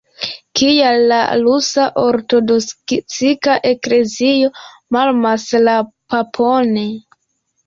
Kial la rusa ortodoksa eklezio malamas la papon?